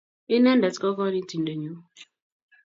Inendet ko konitindenyu